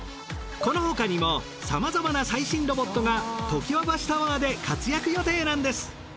この他にもさまざまな最新ロボットが常盤橋タワーで活躍予定なんです。